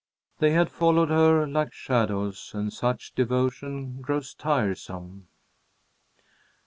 They had followed her like shadows, and such devotion grows tiresome.